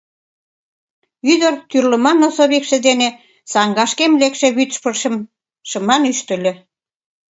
Ӱдыр тӱрлыман носовикше дене саҥгашкем лекше вӱд шырчам шыман ӱштыльӧ.